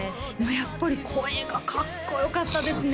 やっぱり声がかっこよかったですね